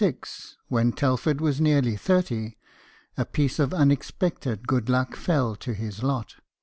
In 1786, when Telford was nearly thirty, a piece of unexpected good luck fell to his lot.